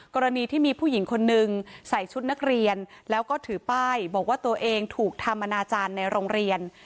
กรณีที่มีผู้หญิงคนนึงใส่ชุดนักเรียนแล้วก็ถือป้ายบอกว่าตัวเองถูกทำอนาจารย์ในโรงเรียน